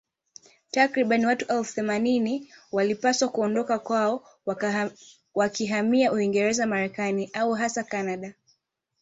Takriban watu elfu themanini walipaswa kuondoka kwao wakihamia Uingerez Marekani au hasa Kanada